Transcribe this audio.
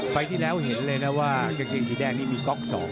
ที่แล้วเห็นเลยนะว่ากางเกงสีแดงนี่มีก๊อก๒